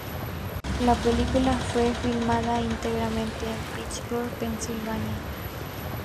La película fue filmada íntegramente en Pittsburgh, Pensilvania.